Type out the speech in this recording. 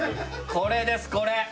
これですこれ。